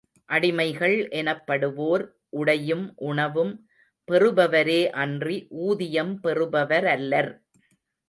அடிமைகள் எனப்படுவோர் உடையும் உணவும் பெறுபவரே அன்றி ஊதியம் பெறுபவரல்லர்.